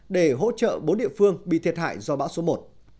để hỗ trợ bốn địa phương bị thiệt hại do bão số một